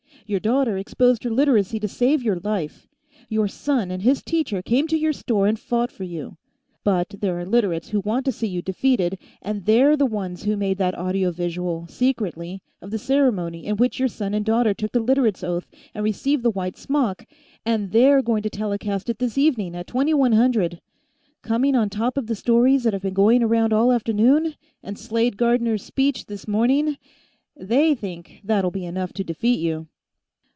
Your daughter exposed her Literacy to save your life. Your son and his teacher came to your store and fought for you. But there are Literates who want to see you defeated, and they're the ones who made that audio visual, secretly, of the ceremony in which your son and daughter took the Literates' Oath and received the white smock, and they're going to telecast it this evening at twenty one hundred. Coming on top of the stories that have been going around all afternoon, and Slade Gardner's speech, this morning, they think that'll be enough to defeat you."